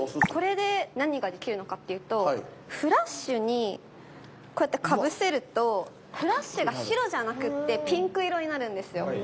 これで何ができるのかっていうとフラッシュにこうやってかぶせるとフラッシュが白じゃなくてピンク色になるんですよ。